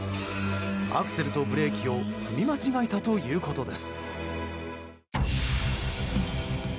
アクセルとブレーキを踏み間違えたということです。